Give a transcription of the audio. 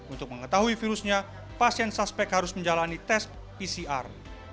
untuk mengetahui virusnya pasien suspek harus menjalani tes pcr